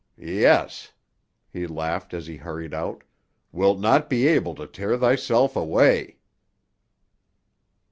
Yes," he laughed as he hurried out, "wilt not be able to tear thyself away."